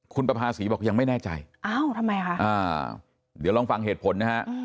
คุณประภาษีบอกยังไม่แน่ใจอ้าวทำไมคะเดี๋ยวลองฟังเหตุผลนะฮะ